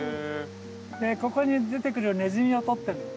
でここに出てくるネズミを捕ってるの。